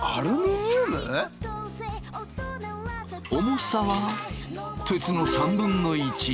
重さは鉄の３分の１。